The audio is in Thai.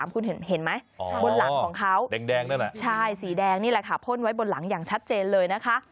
คุณเห็นไหมบนหลังของเขาแดงนั่นใช่สีแดงนี่แหละค่ะพ่นไว้บนหลังอย่างชัดเจนเลยนะคะ